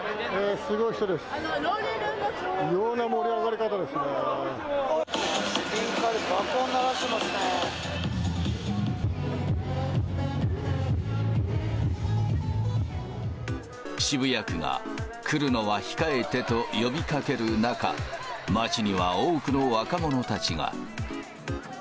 スピーカーで爆音を鳴らして渋谷区が、来るのは控えてと呼びかける中、街には多くの若者たちが。